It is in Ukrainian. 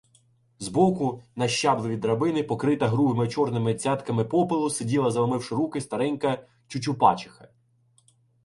Збоку, на щаблеві драбини, покрита грубими чорними цятками попелу, сиділа, заломивши руки, старенька Чучупачиха.